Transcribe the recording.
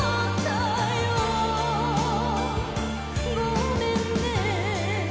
ごめんね